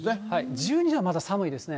１２度、まだ寒いですね。